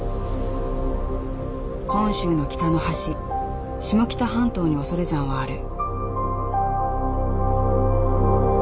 本州の北の端下北半島に恐山はある。